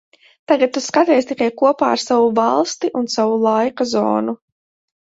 Tagad tu skaties tikai kopā ar savu valsti un savu laika zonu.